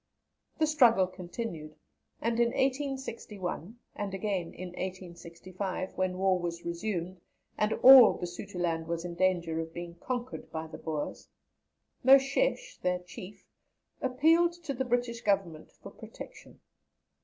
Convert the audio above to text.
The struggle continued, and in 1861, and again in 1865, when war was resumed, and all Basutoland was in danger of being conquered by the Boers, Moshesh, their Chief, appealed to the British Government for protection.